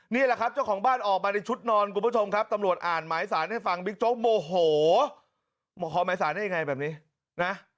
นี่ไงถึงตอนที่บอกว่ากลับไปเลยผมไม่ให้ค้น